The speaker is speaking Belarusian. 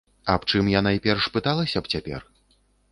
Аб чым я найперш пыталася б цяпер?